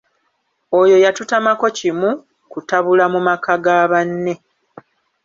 Oyo yatutamako kimu kutabula mu maka ga banne.